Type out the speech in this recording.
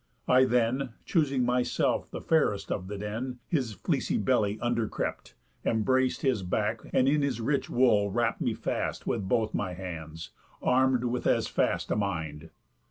I then, Choosing myself the fairest of the den, His fleecy belly under crept, embrac'd His back, and in his rich wool wrapt me fast With both my hands, arm'd with as fast a mind.